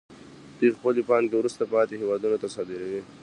دوی خپلې پانګې وروسته پاتې هېوادونو ته صادروي